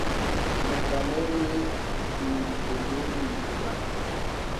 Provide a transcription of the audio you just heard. Məkàməlì nə̀ bə̀nəŋ mindàk.